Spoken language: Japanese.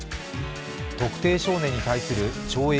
特定少年に対する懲役